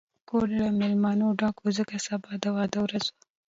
کور له مېلمنو ډک و، ځکه سبا د واده ورځ وه.